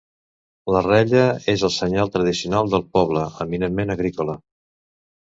La rella és el senyal tradicional del poble, eminentment agrícola.